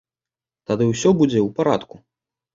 Тады ўсё будзе ў парадку.